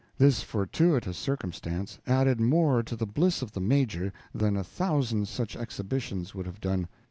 This fortuitous circumstances added more the bliss of the Major than a thousand such exhibitions would have done.